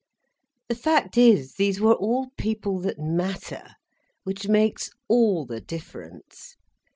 The fact is these were all people that matter, which makes all the difference.